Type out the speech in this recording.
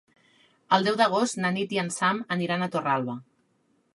El deu d'agost na Nit i en Sam aniran a Torralba.